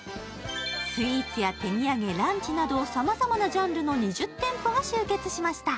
スイーツや手土産、ランチなどさまざまなジャンル２０店舗が集結しました。